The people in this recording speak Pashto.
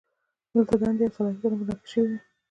دلته دندې او صلاحیتونه په نښه شوي وي.